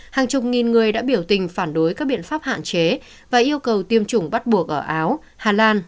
hàng chục nghìn người đã biểu tình phản đối các biện pháp hạn chế và yêu cầu tiêm chủng bắt buộc ở áo hà lan